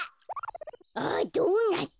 あドーナツ。